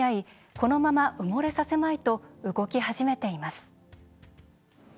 このまま埋もれさせまいと動き始めています。